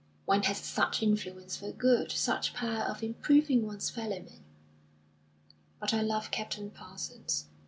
One has such influence for good, such power of improving one's fellow men. But I love Captain Parsons.